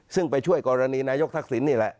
ซึ่งไปช่วยกรณีนายกทักษิณนี่แหละ